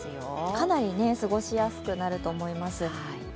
かなり過ごしやすくなると思います。